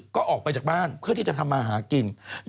ก็ออกไปจากบ้านเพื่อที่จะทำมาหากิน